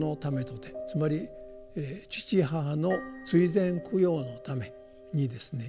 つまり父母の追善供養のためにですね